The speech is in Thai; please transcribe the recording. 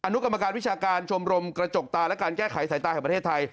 นุกรรมการวิชาการชมรมกระจกตาและการแก้ไขสายตาแห่งประเทศไทย